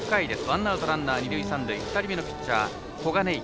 ワンアウト、ランナー、二塁三塁２人目のピッチャー小金井。